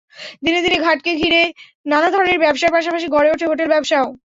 দিনে দিনে ঘাটকে ঘিরে নানা ধরনের ব্যবসার পাশাপাশি গড়ে ওঠে হোটেল ব্যবসাও।